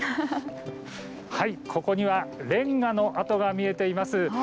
ここにはレンガの跡が見えています。